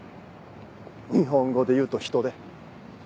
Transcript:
日本語で言うとヒトデ。